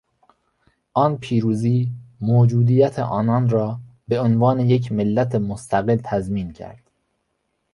آن پیروزی موجودیت آنان را به عنوان یک ملت مستقل تضمین کرد.